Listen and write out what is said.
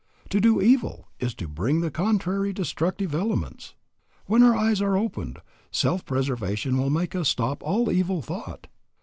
To do evil is to bring the contrary destructive elements. When our eyes are opened, self preservation will make us stop all evil thought.